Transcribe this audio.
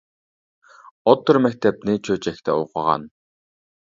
ئوتتۇرا مەكتەپنى چۆچەكتە ئوقۇغان .